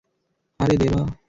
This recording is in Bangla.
আরে, দেবা!